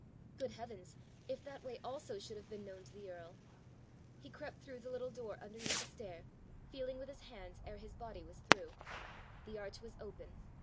Good heavens! if that way also should have been known to the earl! He crept through the little door underneath the stair, feeling with his hands ere his body was through: the arch was open!